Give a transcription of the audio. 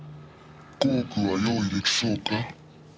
「５億は用意出来そうか？」